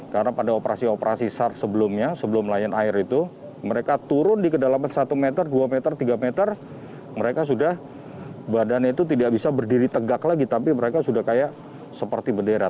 karena pada operasi operasi sar sebelumnya sebelum layan air itu mereka turun di kedalaman satu meter dua meter tiga meter mereka sudah badannya itu tidak bisa berdiri tegak lagi tapi mereka sudah kayak seperti bendera